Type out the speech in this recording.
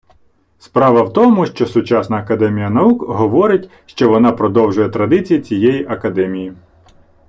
Справа в тому що сучасна академія наук говорить що вона продовжує традиції тієї академії